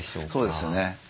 そうですよね。